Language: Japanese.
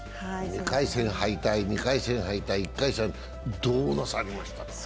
２回戦敗退、２回戦敗退、１回戦、どうなさりました？